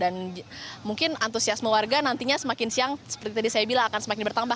dan mungkin antusiasme warga nantinya semakin siang seperti tadi saya bilang akan semakin bertambah